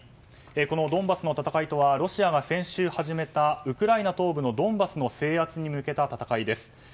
このドンバスの戦いとはロシアが先週始めたウクライナ東部のドンバスの制圧に向けた戦いです。